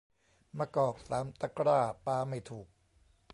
มะกอกสามตะกร้า ปาไม่ถูก